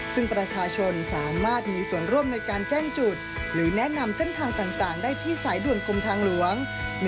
ซึ่งประชาชนสามารถมีส่วนร่วมในการแจ้งจุดหรือแนะนำเส้นทางต่างได้ที่สายด่วนกรมทางหลวง